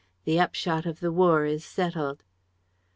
The upshot of the war is settled.'